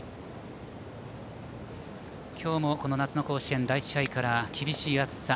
今日も夏の甲子園第１試合から厳しい暑さ。